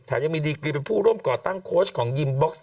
ยังมีดีกรีเป็นผู้ร่วมก่อตั้งโค้ชของยิมบ็อกซ์